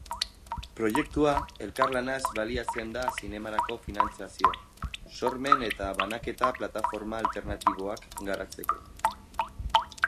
Proiektua elkarlanaz baliatzen da zinemarako finantzazio, sormen eta banaketa plataforma alternatiboak garatzeko.